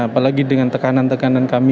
apalagi dengan tekanan tekanan kami